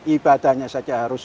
ibadahnya saja harus